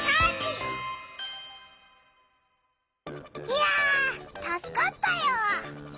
いやたすかったよ。